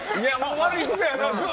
悪い癖やな。